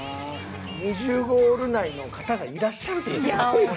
２０ゴール内の方がいらっしゃるという。